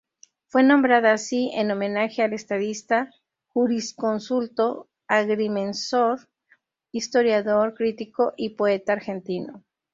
Fue nombrada así, en homenaje al estadista, jurisconsulto, agrimensor, historiador, crítico y poeta argentino.